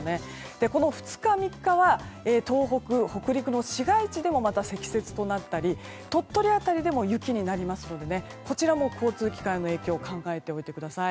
この２日、３日は東北、北陸の市街地でも積雪となったり鳥取辺りでも雪になりますのでこちらも交通機関への影響考えておいてください。